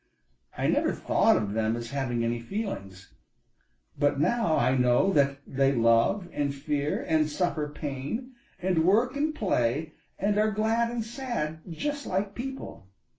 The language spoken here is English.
I never thought of them as having any feelings. But now I know that they love, and fear, and suffer pain, and work, and play, and are glad and sad, just like people.